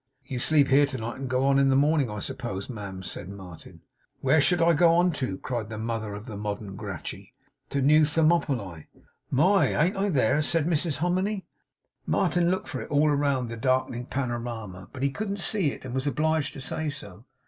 'You sleep here to night, and go on in the morning, I suppose, ma'am?' said Martin. 'Where should I go on to?' cried the mother of the modern Gracchi. 'To New Thermopylae.' 'My! ain't I there?' said Mrs Hominy. Martin looked for it all round the darkening panorama; but he couldn't see it, and was obliged to say so.